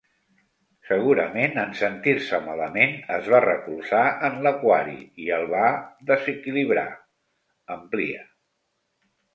Segurament, en sentir-se malament, es va recolzar en l'aquari i el va desequilibrar —amplia.